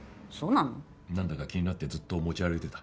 なんだか気になってずっと持ち歩いてた。